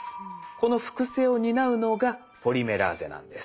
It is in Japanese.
この複製を担うのがポリメラーゼなんです。